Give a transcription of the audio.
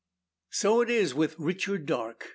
So is it with Richard Darke.